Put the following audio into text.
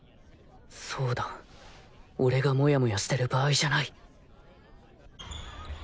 そうだ俺がモヤモヤしてる場合じゃない